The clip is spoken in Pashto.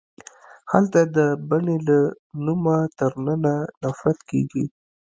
هلته د بنې له نومه تر ننه نفرت کیږي